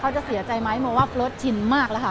เขาจะเสียใจไหมโมว่าโฟร์ตชินมากแล้วค่ะ